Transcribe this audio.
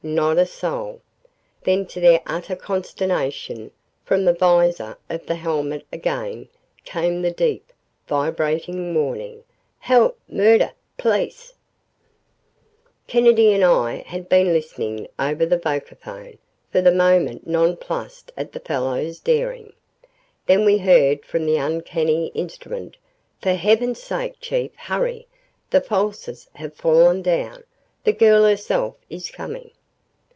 Not a soul. Then to their utter consternation, from the vizor of the helmet again came the deep, vibrating warning. "Help! Murder! Police!" ........ Kennedy and I had been listening over the vocaphone, for the moment non plussed at the fellow's daring. Then we heard from the uncanny instrument, "For Heaven's sake, Chief, hurry! The falsers have fallen down. The girl herself is coming!"